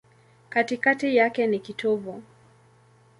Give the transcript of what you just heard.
Katikati yake ni kitovu.